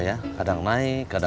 yang aku gak ada